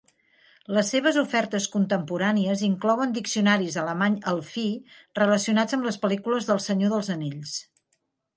Les seves ofertes contemporànies inclouen diccionaris alemany-elfí relacionats amb les pel·lícules del "Senyor dels anells".